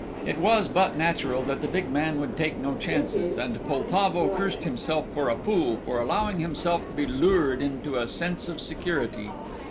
It was but natural that the big man would take no chances, and Poltavo cursed himself for a fool for allowing himself to be lured into a sense of security.